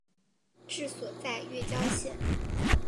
治所在乐郊县。